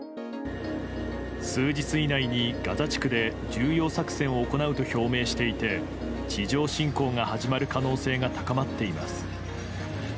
数日以内にガザ地区で重要作戦を行うと表明していて地上侵攻が始まる可能性が高まっています。